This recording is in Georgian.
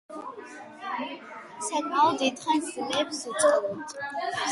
საკმაოდ დიდხანს ძლებს უწყლოდ.